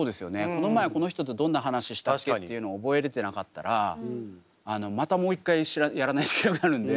この前この人とどんな話したっけっていうのを覚えれてなかったらまたもう一回やらないといけなくなるんで。